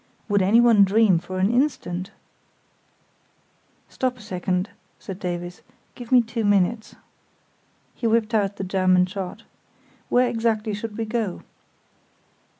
Would anyone dream for an instant——? "Stop a second," said Davies; "give me two minutes." He whipped out the German chart. "Where exactly should we go?"